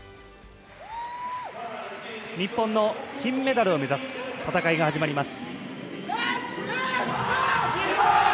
日本の金メダルを目指す戦いが始まります。